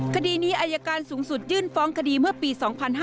คดีนี้อายการสูงสุดยื่นฟ้องคดีเมื่อปี๒๕๕๙